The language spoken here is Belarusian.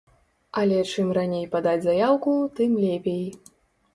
Але чым раней падаць заяўку, тым лепей.